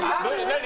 何？